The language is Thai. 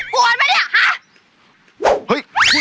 กวนไหมเนี่ยฮะ